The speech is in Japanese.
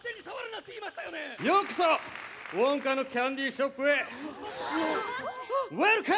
ようこそ、ウォンカのキャンディーショップへ。